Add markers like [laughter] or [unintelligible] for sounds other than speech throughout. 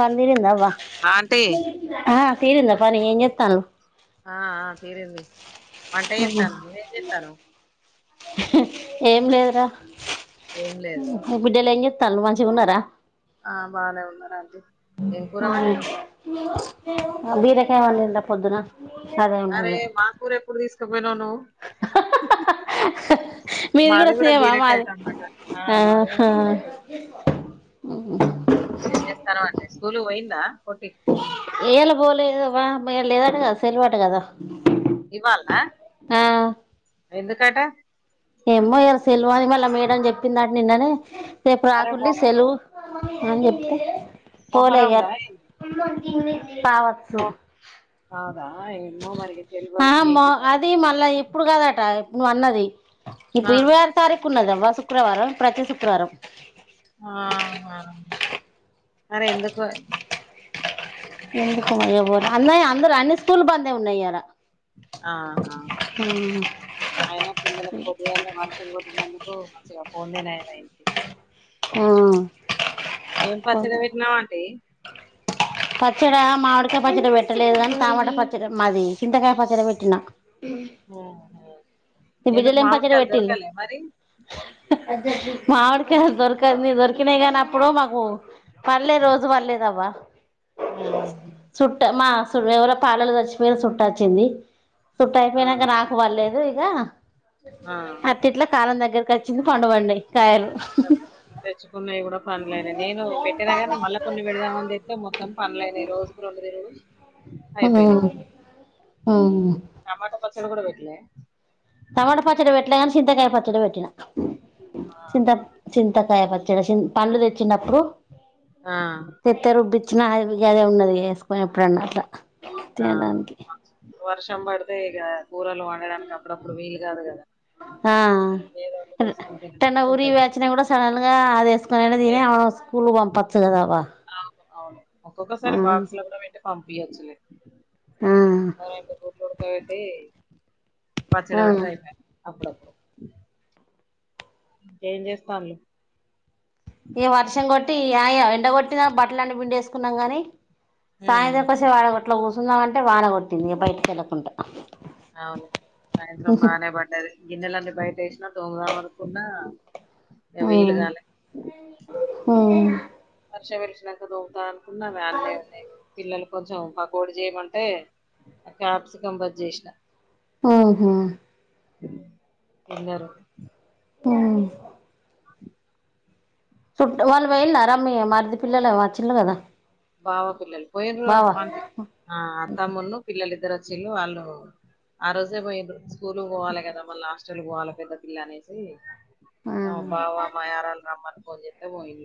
పందిరింద బా అంటి ఆ తీరిందా పని ఏం చేత్తాన్నవ్ ఆ ఆ తీరింది వంట చెత్తన్నావ్ నువ్వేం చెత్తన్నావ్ ఏం లేదురా ఏం లేదా బిడ్డలు ఏం చేస్తాండ్రు మాంచిగా ఉన్నారా ఆ బానే ఉన్నారు అంటీ ఏం కూర వండినావ్ బీరకాయ వండిన పొద్దున అదే అరే ఉన్నది మా కూర ఎప్పుడు తీసుకుపోయినా నువ్వు మీది మాది కూడా సేమా బీరకాయ మాది టమాటా మాది కూడా ఆహా బీరకయ ఏం చేస్తాన్నావ్ అంటే స్కూలు పోయిందా పోట్టి ఇయాలా పోలేదు వాళ లేదంట కదా సెలవా అంట కదా ఇవాల ఆ ఎందుకట ఏమో ఇయల సెల్వ అని మళ్ళీ మేడం చెప్పిందిట నిన్ననే రేపు అరే రాకుల్లి మొహరం సెలవు అని చెప్పి పోల మొహరం ఇయ్యా దా ఏంది కావచ్చు రాదా ఎమ్మో మరి తెలివదు ఏంటి మొన్న ఇప్పుడు కాదట నువ్వు అన్నది ఇప్పుడు ఇరవై ఆ సరుకు ఉన్నది అవ్వ శుక్రవారం ప్రతి శుక్రవారం ఆహా మరి ఎందుకో అన్నయ అందరు అన్ని స్కూల్ బంద్ అ ఉన్నాయి ఇయలా ఆహా అయిన పిల్లలకు పొద్దుగాళ్ల వర్షం కొట్టినందుకు మంచిగా పొందే నయం అయింది ఏం పచ్చడి పెట్టినావ్ అంట పచ్చడ మామిడికాయ పచ్చడి పెట్టలేదు కాని టమాటా పచ్చడి మాది చింతకాయ పచ్చడి పెట్టినా ఉహు ఎందుకు మామిడి కాయలు దొరకాలే మరి మావిడికకాయ దొరకదు నీ దొరికినాయి కానీ అప్పుడు మాకు వాళ్ళేరోజు వాళ్ళే కదా ఉహు చుట్ మా ఎవలో పాలోల్లు సచ్చిపోఇల్లు సు ట్టొచ్చింది సుట్ట ఆ అయిపోయినాక నాకు పర్లేదు ఇగ ఆ ఇట్లా కాలం దగ్గరకి వచ్చింది పండు పండినాయి కాయలు తెచ్చుకున్నావి కూడా పండ్లయినాయి నేను పెట్టినా కానీ మళ్ళా కొన్ని పెడుదామని తేత్తె మొత్తం పండ్లయినాయి రోజు రెండు తినుడు మ్ మ్ టమాటో పచ్చడి కూడా పెట్టలే టమాట పచ్చడ పెట్లే కాని చింతకాయ పచ్చడ పెట్టిన చింత చింతకాయ పచ్చడ పండ్లు తెచ్చినప్పుడు ఆ ట్ల రుబ్బచ్చినా అది గదే ఉన్నది వేసుకొని ఎప్పుడన్నా అట్ల ఆ వర్షం పడుతే ఇగ కూరలు వం తినడానికి అప్పుడప్పుడు వీలు కాదు కదా ఆ ఏదో ఒక వేసుకొని తినడానికి ఉంటది సడన్గ్ అది వేసుకోని ఏ తీని అవు స్కూల్ పంపచ్చు కద బా అవును అవును ఒక్కొక్కసారి బాక్స్ లో కూడా పెట్టి పంపియొచ్చులే ఆ ఒ రెండు గుడ్లు ఉండక పెట్టి పచ్చడ ఆ పెడితే అయి పోయే అప్పుడప్పుడు ఏం చేస్తాల్లు ఇగ వర్షం కొట్టి ఈ అయా ఎండగొట్టిన బట్టలన్ని పిండేసుకున్నాం గాని హ్మ్. సాయంత్రంకో సేపట్ల కూర్చుదంమంటే వానగ కోట్టింది ఇగ బయటికేళ్ళకుంట అవును సాయంత్రం బనే పడ్డాదీ గిన్నెలన్నీ బయట వేసినా తొమ్ముదామనుకున్నా మ్ మ్ వర్షం వెలిచినాక దోముదమనుకున్నా అవి అన్నే ఉన్నాయి పిల్లలు కొంచెం పకోడి చేయమంటే క్యాప్సికం బజ్జి చేసినా మ్ హు తిన్నరు మ్ చుట్ వాళ్ళు పోయిళ్ళర మీ మరిది పిల్లలు వచ్చిల్లు కదా బావ పిల్లలు పోయిర్రు బావ అంటి ఆ అత్తమ్మున్ను పిల్లలిద్దరు వచ్చిళ్ళు వాళ్ళు ఆ రోజే పో యిండ్రు స్కూల్ కి పోవాలి కదా మళ్ళీ హాస్టల్ కు పోవాలే పెద్ద పిల్ల అనేసి ఆ మా బావ మా ‌ యారలు రమన్ని ఫోన్ చేస్తే పోయి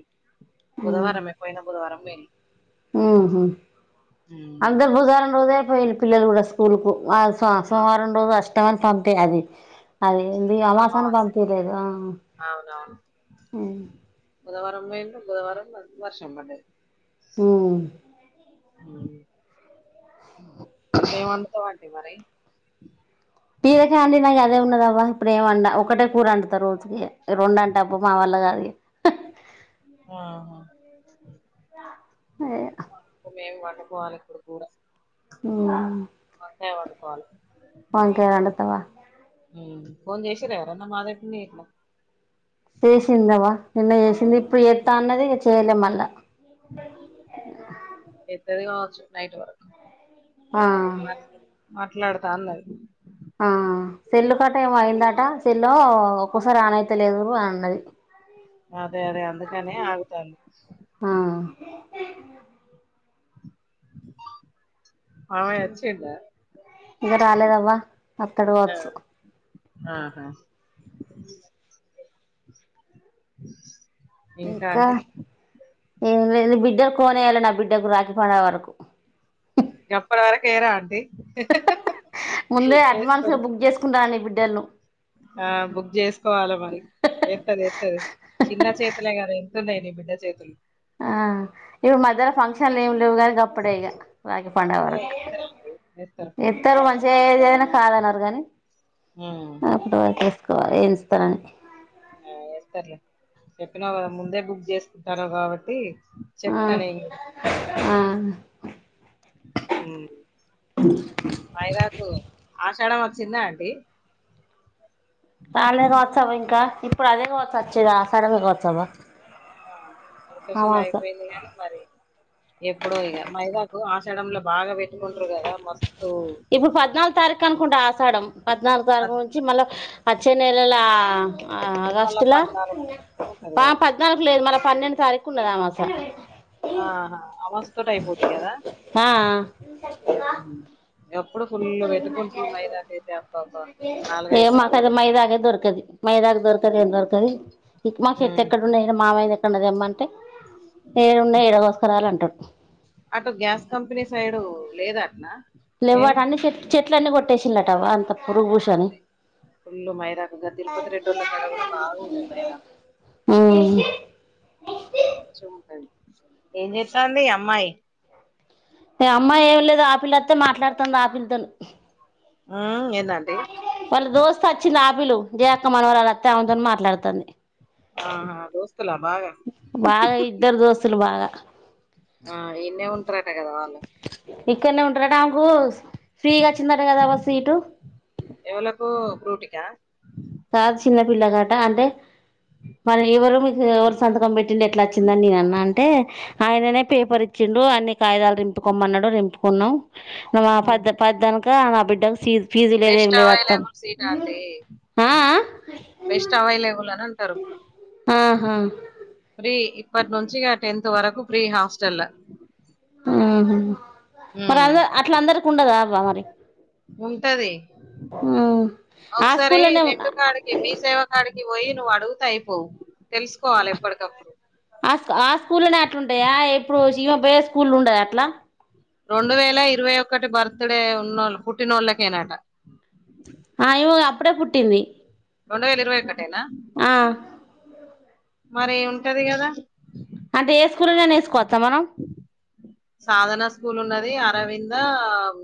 బుధవారమే పోయినా బుధవారం పోఇల్లు మ్ హు అందరు ఉమ్. బుధవారం రోజె పోయిల్లు పిల్లలు కూడా స్కూల్ కు ఆ అ ఆ, సోమవారం రోజు అష్టమని పంపే అది అది ఎంది అమాస అని అమావాస్య పంపీ లేదు ఆ అవునవును మ్ బుధవారం పోయిండ్లు బుధవారం వర్షం పడ్డదీ మ్ అ.. ఎం వండుతావండి మరి తియేసే అండి నద్ అదే ఉన్నదవ్వ ఇప్పుడు ఎం వండ ఒక్కటే కూర వండుత రోజుకి రెండు అంటే అబ్బో మా వాల్ల కాదు ఇగ ఆహా అదే మేం వండుకోవాలే ఇప్పుడు కూర అవునా వంకాయ వండుకోవాలి వంకాయ వండుతావ. ఫోన్ చేసిర ఎవరన్నా [unintelligible] చేసింద అవ్వ, నిన్న చేసింది ఇప్పుడు చేస్తా, అన్నది చేయలే మళ్ళ. పెద్దది కావొచ్చు నైట్ వర్క్ ఆ [unintelligible] మాట్లాడతా అన్న [unintelligible] ఆ సెల్లు కట ఏమో అయిందట సెల్లో ఒక్కొసారి ఆన్ అయితలేదు అని అన్నది అదే అదే అందుకనే ఆగుతంది ఆ మావయ్య వచిన్డ ఇంగ రాలేదవ్వ వత్తడు కావచ్చు ఆహా ఇంకా ఇంక ఆంటీ ఏం లేద్లే ని బిడ్డలకు కోనేయాలి నా బిడ్డకు రాఖీ పండగ వరకు గప్పటి వరకు ఎయరా ఆండి ముందే అడ్వాన్స్గా బుక్ చేసుకుంటాన్న నీ బిడ్డలను ఆ బుక్ చేసుకోవాలె మరి ఏత్తది ఏత్తది చిన్న చేతులే కద ఎంతున్నాయి నీ బిడ్డ చేతులు ఆ ఇప్పుడు మధ్యలో ఫంక్షన్లు ఏమి లేవు కానీ గప్పుడే ఇగ రాకి పండగ ఏ వరకు [unintelligible] తను మంచిగా ఏదైనా కాదనరు కానీ ఉమ్ అప్పుడు వరకు ఏసుకోవాలి ఏఇస్తానని ఆ ఏస్తార్లే చెప్పినావ్ కదా ముందే బుక్ చేసుకుంటన్నావ్ కాబట్టి ఆ చెప్తా నేను కూడా ఆ [unintelligible] మైదాకు ఆషాడం వచ్చిందా ఆండి రాలే కావచ్చవ్వ ఇంకా ఇప్పుడు అదే కావచ్చు వచ్చేది ఆషాఢమే కావచ్చవా ఆ మృగశిల అయిపోయిందిగాని మరి ఎప్పుడో ఇగ మైదాకు ఆషాడంలో బాగా పెట్టుకుంట్రు కదా మస్తు ఇప్పుడు పద్నాలుగు తారీఖు అనుకుంట ఆషాఢం పద్నాలుగు తారీఖు పద్- నుంచి మళ్ళ వచ్చే నెలల ఆ మళ్ళా ఆగస్టుల పద్నాలుగు వరకు ఉంటది పా కావచ్చు పద్నాలుగు లేదు మళ్ళ పన్నెండు తారీఖు ఉండది అమాస ఆహా అమాస్య తోటి అయిపోది కదా ఆ ఆ [unintelligible] అప్పుడు ఫుల్ పెట్టుకుంట్రు మైదాకయితే అబ్బబ్బ ఏ నాలుగైదు సార్లు మాకది పెట్టుకున్ మైదాకే దొరకది మైదాకు దొరకది ఏం దొరకది ఇ [unintelligible] మా చెట్లు ఉమ్. ఎక్కడ ఉన్నాయని మావయ్యని క్కదెమ్మంటే ఏడున్నాయి ఏడగోస్కరావలి అంటడు అటు గ్యాస్ కంపెనీ సైడు లేదు అట్న లేవ్వట అన్ని చె చెట్లన్నీ కొట్టేసిండట [unintelligible] పూసని అదే ఫుల్లు మైదాకు ఇగ తిరుపతి రెడ్డోళ్ల కాడ కూడ బాగుండేది మైదా ఊ ఏం చేస్తాంది అమ్మాయి అమ్మాయి ఏం లేదు ఆపిల్లొత్తే మాట్లాడుతుంది ఆపిల్లతోన్ ఊ ఏందాంటి వాళ్ళ దోస్త్ అచ్చింది ఆపిలు జయక్క మనవరాలోత్తే ఆమె తోని మాట్లాడుతుంది ఆహా దోస్తల బాగ బాగ ఇద్దరు దోస్తులు బాగ ఆ ఈన్నే ఉంటారట కదా వాళ్ళు ఇక్కడనే ఉంటరట ఆమెకు ఫ్రీగా వచ్చిందట కదాబ్బ సీటు ఎవలకు ఫ్రూటికా కాదు చిన్నపిల్లకట అంటే మరి ఎవరు మీకు ఎవరి సంతకం పెట్టింది ఎట్లా అచ్చిందని నేను అన్నా అంటే ఆయననే పేపర్ ఇచ్చిండు అన్ని కాగిదాలు రింపుకోమ్మన్నాడు రింపుకున్నాం నువ్వు పది పద్దానుక నా బిడ్డకు see best available seat aunty ఆ బెస్ట్ అవైలబుల్ అని అంటరు ఆ ఆహా ఫ్రీ ఇప్పటి నుంచి ఇగ టెన్త్ వరకు ఫ్రీ హాస్టల్ల ఊహు హు మరి హ్మ్ అంద అట్లా అందరికి ఉండదా అబ్బా మరి ఉంటది ఆ స్కూల్నే ఆ ఈ మీసేవకాడికి పోయి నువ్వు అడుగుతే అయిపోవు తెలుసుకోవాలి ఎప్పటికప్పుడు ఆ ఆ స్కూల్నే అట్లుంటాయా ఇప్పుడు జీమ పోయే స్కూల్లు ఉండదా అట్లా రెండు వేల ఇరవై ఒకటి బర్త్ డే ఉన్నోళ్ళు పుట్టినోళ్ళకేనాట ఆ ఈమో అప్పుడే పుట్టింది రెండు వేల ఇరవై ఒకటేనా ఆ మరి ఉంటాది కదా అంటే స్కూల్నేనా వేసుకోవచ్చా మనం సాధనా స్కూల్ ఉన్నది అరవింద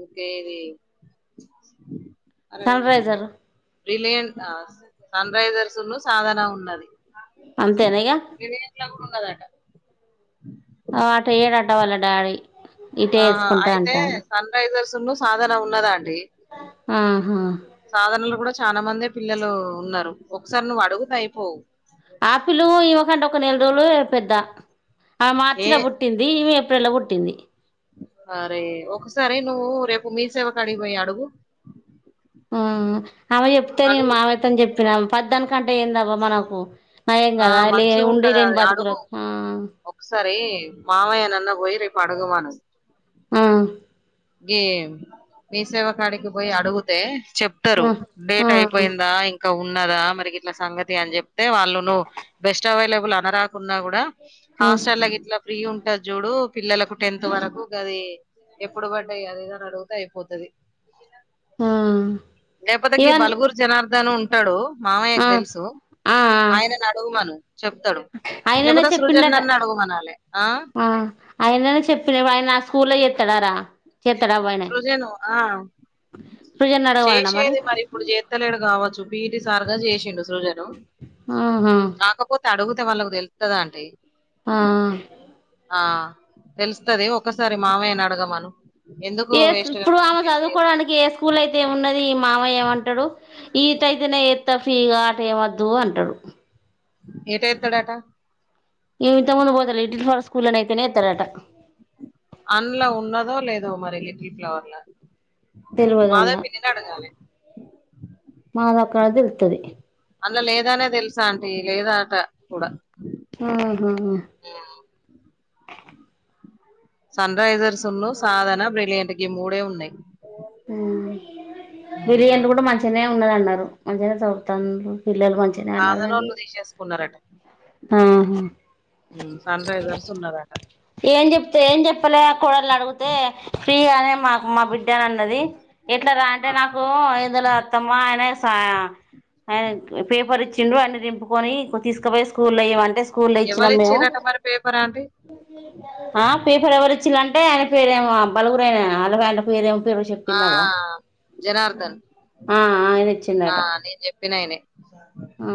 ఇంకా ఇది సన్ అరవింద ఉంది రైజర్ బ్రిలియన్ ఆ సన్రైజర్స్ ఉన్ను సాధన ఉన్నది అంతేనా ఇగ బ్రిలియట్లా కూడా ఉన్నాదాట ఆ అటేయ్యడాట వాళ్ళ డాడీ ఇటే వేసుకుంటా అంటాండు. సనరైజర్స్ సాధన ఉన్నదాండి ఆహా సాధనల కూడా చాలా మందే పిల్లలు ఉన్నారు ఒకసారి నువ్వు అడుగుతే అయిపోవు ఆపిల్ ఈమెకంటే ఒక నెల రోజులు పెద్ద ఆమె ఏ మార్చిన బుట్ ట్టింది ఈమె ఏప్రిల్ లో పుట్టింది అరే ఒకసారి నువ్వు రేపు మీసేవకడికి పోయి అడుగు ఆ అమ్మ చెప్తేనే నేను అడుగు మామతోని చెప్పినా పద్దదాను కంటే ఏందబ్బా మనకు నయం ఆ కదా మంచిగా ఉండి లేని బతుకులకు ఆ ఒకసరి మామయనన్న పోయి రేపు అడగమను ఆ గి మీసేవకాడికి పోయి అడుగుతే చెప్ టరు ఆ ఆ డేట్ అయిపోయిందా ఇం ఉన్నదా మరి ఇట్లా సంగతి అని చెప్తే వాళ్ళు నువ్వు బెస్ట్ అవైలబుల్ అనరా ఉన్నా కూడా ఆ హాస్టల్లా ఇట్లా ఫ్రీ ఉంటది చూడు పిల్లలకు టెన్త్ వరకు గాది ఎప్పుడు పడ్డాయి అది ఇది అని అడిగితే అయిపోతాది ఆ లేపోతే గి ఇవన్ బలుగురు జనార్దన్ ఉంటాడు ఆ మామయ్యకు తెలుసు ఆ ఆయనని అడుగుమను చెప్తాడు ఆయననే లేకపోతే చెప్పిండట సృజన్న్ని అడుగుమనాలే ఆ ఆయననే చెప్పిన ఆయన ఆ స్కూల్లా చేత్తడారా చేత్తడా అవ్వాయన సృజను ఆ సృజన్ ని అడగమననా చేసేది మరి ఇప్పుడు చేత్తలేడు కావచ్చు పీటి సారుగా చేసిండు సృజను ఆహా కాకపోతే అడుగుతే వాళ్ళకు తెలుత్తది అంటి ఆ ఆ తెలుస్తది ఒకసారి మామయ్యని అడగమను ఎందుకు ఏ సు వేస్ట్ గా ఇప్పుడు టైం ఆమె వేస్ట్ చేసి చదువుకోవడానికి ఏ స్కూల్ అయితే ఏమిన్నది ఈ మామయ్య ఏమంటాడు ఈటైతేనే ఎత్త ఫ్రీగా ఆటు ఏమద్దు అంటాడు ఏటు ఎత్తడాటా ఈమె ఇంతకుముందు పోతే లిటిల్ ఫ్లవర్స్ ఆ స్కూల్లోనే అయితేనే ఏత్తాడాటా అన్ల ఉన్నదో లేదో మరి లిటిల్ ఫ్లవర్ల తెలియదు మాదే అన్న పి అడగాలి మాదక్కడైతే తెలుత్తాది అన్ల లేదానే తెలుసా ఆంటీ లేదా అట కూడా ఆహ సన్ రైజర్స్ ఉన్ను సాధన బ్రిలియంట్ గి మూడే ఉన్నాయి ఉ ఉమ్. బిలియన్లు కూడా మంచిగానే ఉన్నదన్నారు మంచిగానే చదులుతాళ్లు పిల్లలు మంచి సాధనోళ్ళు తీసేసుకున్నారట ఆ ఉమ్ సన్ రైజర్స్ ఉన్నారట ఏం చెప్తే ఏం చెప్పలే కోడలని అడుగితే ఫ్రీ అనే మాకు మా బిడ్డ అన్నది ఎట్లా రా అంటే నాకు ఏం తెలువదు అత్తమ్మా ఆయన సా ఆయన పేపర్ ఇచ్చిండు అన్ని నింపుకొని తీసుకపోయి స్కూలో వెయ్యమని ఎవ్వరిచ్చిరంట మరి పేపర్ అ ఆ పేపర్ ఎవరి ఇచ్చిరంటే ఆయన పేరేమో బలుగురు రయన ఆళ్ల పేరేం పేరు ఆ చెప్పిందవ్వ జనార్దన్ ఆ అయన ఇచ్చిండట చెప్పినైనే ఆ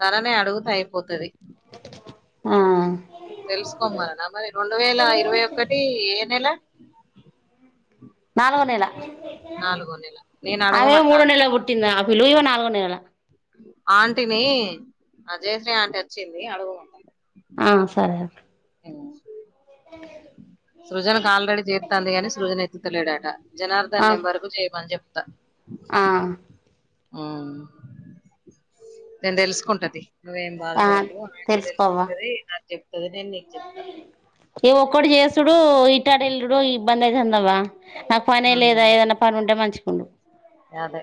తననే అడుగుతే అయిపోతది ఆ తెలుసుకోమ్మననా మరి రెండు వేల ఇరవై ఒకటి ఏ నెల నాలుగో నెల నాలుగో నెల నేను ఆమె అడగమంటా మూడో ఆగు నెల్లో పుట్టింది ఆ పిల్లో ఇమ నాలుగో నెల ఆంటీని జయశ్రీ ఆంటీ వచ్చింది అడుగు ఆ సరే సృజనకు ఆల్రెడీ చేతంది గాని సృజన్ ఎత్త్తతలేడట జనార్దన్ ఆ నెంబర్కు చేయమని చెప్తా ఆ ఉమ్ నేను తెలుసుకుంటతి నువ్వేం ఆ బాధపడకు ఆంటీ తెలుసుకోవా తెలుసుకుంటది నాకు చెప్తది నేను నీకు చెప్తా ఏ ఒక్కడు చేసుడు ఇటాటెల్లుడు ఇబ్బంది అయితందవా నాకు పనే లేదాయే పనుంటే మంచిగుండు అదే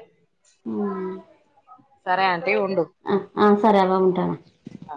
సరే ఆంటీ ఉండు ఆ ఆ సరే అవ్వ ఉంటాను ఆ